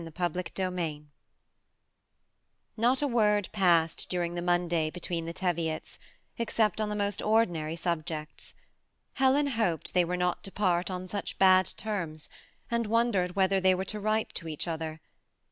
223 CHAPTER XXXIL Not a word passed daring the Monday between the Teviots, except on the most ordinary subjects. Helen hoped thej were not to part on such bad terms^ and wondered whether they were to write to each other.